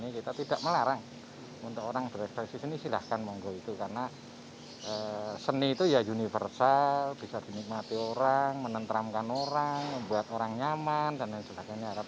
kita tidak melarang untuk orang berekspresi seni silahkan monggo itu karena seni itu ya universal bisa dinikmati orang menenteramkan orang membuat orang nyaman dan lain sebagainya